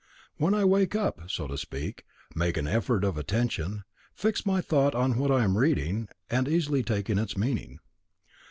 Then I wake up, so to speak, make an effort of attention, fix my thought on what I am reading, and easily take in its meaning.